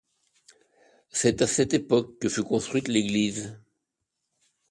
C'est à cette époque que fut construite l'église.